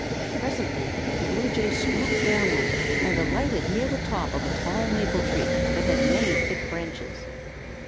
Presently the bluejay swooped downward and alighted near the top of a tall maple tree that had many thick branches.